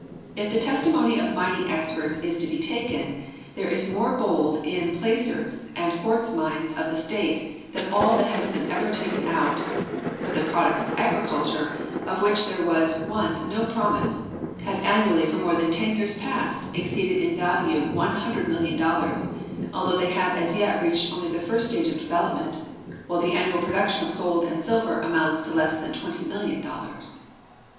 If the testi mony of mining experts is to be taken, there is more gold in the placers and quartz mines of the state than all that has ever been taken out; but the products of agriculture, of which there was once no })romise, have annually for more than ten years past exceeded in value one hundred million dollars, although they have as yet reached only the first stage of development, while the annual production of gold and silver amounts to less than twenty million dollars.